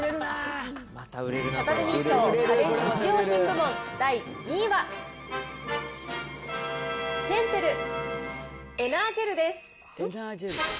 サタデミー賞、家電・日用品部門第２位は、ぺんてるエナージェルです。